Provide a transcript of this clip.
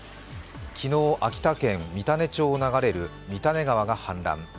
昨日、秋田県三種町を流れる三種川が氾濫。